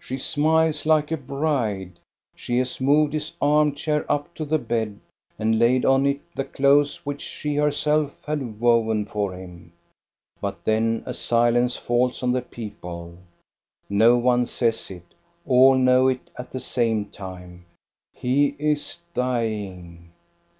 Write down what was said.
She smiles like a bride. She has moved his arm chair up to the bed and laid on it the clothes which she herself had woven for him." But then a silence falls on the people. No one says it, all know it at the same time: "He is dying."